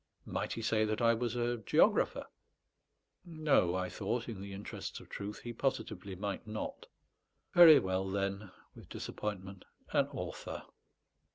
Might he say that I was a geographer? No; I thought, in the interests of truth, he positively might not. "Very well, then" (with disappointment), "an author."